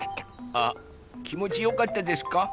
あきもちよかったですか？